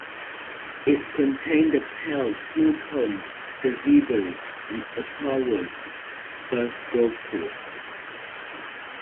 It contained a pair of small ponds, gazebos, and Ottawa's first golf course.